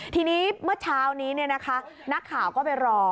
ทีนี้เมื่อเช้านี้นักข่าวก็ไปรอ